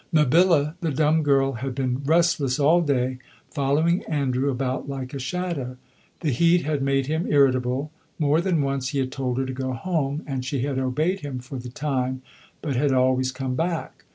Mabilla, the dumb girl, had been restless all day, following Andrew about like a shadow. The heat had made him irritable; more than once he had told her to go home and she had obeyed him for the time, but had always come back.